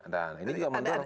dan ini juga mendorong